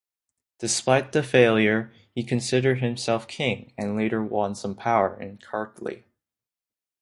Despite the failure, he considered himself king and later won some power in Kartli.